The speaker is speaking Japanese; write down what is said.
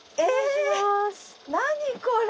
何これ？